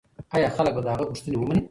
ایا خلک به د هغه غوښتنې ومني؟